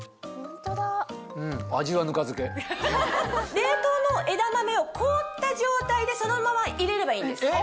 冷凍の枝豆を凍った状態でそのまま入れればいいんです。